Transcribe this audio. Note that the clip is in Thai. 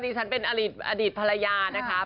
ฉันเป็นอดีตภรรยานะคะ